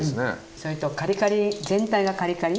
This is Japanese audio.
それとカリカリ全体がカリカリ。